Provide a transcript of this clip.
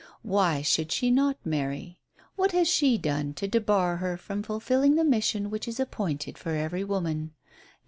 Why should she not marry? What has she done to debar her from fulfilling the mission which is appointed for every woman?